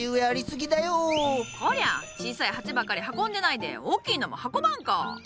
こりゃ小さい鉢ばかり運んでないで大きいのも運ばんか！